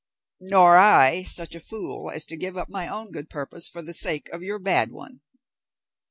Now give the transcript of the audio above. "Nor I such a fool as to give up my own good purpose for the sake of your bad one."